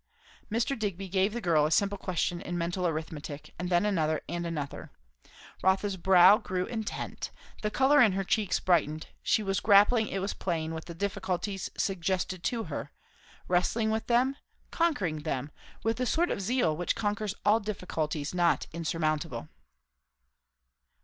Mr. Digby gave the girl a simple question in mental arithmetic; and then another, and another. Rotha's brow grew intent; the colour in her cheeks brightened; she was grappling, it was plain, with the difficulties suggested to her, wrestling with them, conquering them, with the sort of zeal which conquers all difficulties not insurmountable.